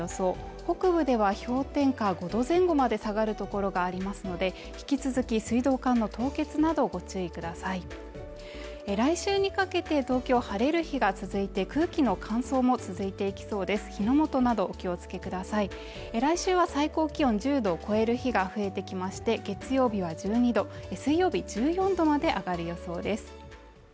北部では氷点下５度前後まで下がる所がありますので引き続き水道管の凍結などご注意ください来週にかけて東京晴れる日が続いて空気の乾燥も続いていきそうです火の元などお気をつけください来週は最高気温１０度を超える日が増えてきまして月曜日は１２度水曜日１４度まで上がる予想です